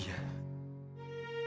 tidak ada makanan yang tersisa